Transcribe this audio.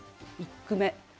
１句目。